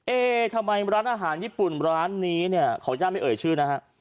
เอ๊ทำไมร้านอาหารญี่ปุ่นร้านนี้เนี่ยขออนุญาตไม่เอ่ยชื่อนะฮะ